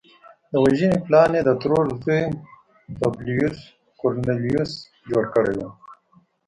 د وژنې پلان یې د ترور زوی پبلیوس کورنلیوس جوړ کړی و